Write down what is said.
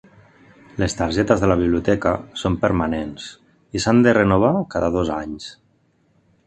Les targetes de la biblioteca són permanents i s'han de renovar cada dos anys.